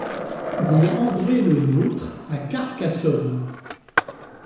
Rue André Le Nôtre à Carcassonne